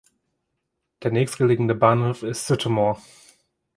Der nächstgelegene Bahnhof ist Sutomore.